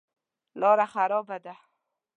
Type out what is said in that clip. لاره خرابه ده.